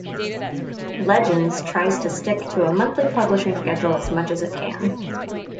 "Legends" tries to stick to a monthly publishing schedule as much as it can.